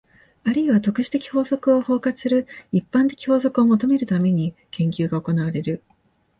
あるいは特殊的法則を包括する一般的法則を求めるために、研究が行われる。